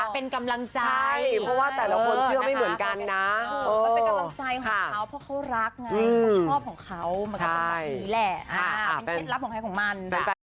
เป็นเคล็ดลับของเขาเป็นเคล็ดลับของให้ของมัน